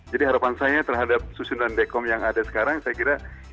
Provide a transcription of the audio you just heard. jadi harapan saya terhadap susunan dekom yang ada sekarang saya kira